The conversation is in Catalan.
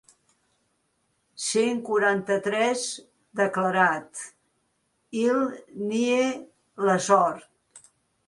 Cent quaranta-tres declarat: «Il en nie l'essor».